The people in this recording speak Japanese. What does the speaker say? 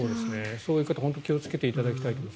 そういう方は本当に気をつけていただきたいと思います。